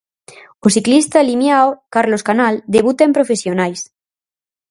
O ciclista limiao Carlos Canal debuta en profesionais.